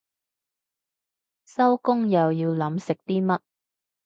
收工又要諗食啲乜